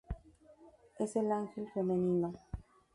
Es el ángel femenino.